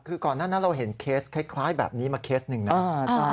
คือก่อนหน้านั้นเราเห็นเคสคล้ายแบบนี้มาเคสหนึ่งนะ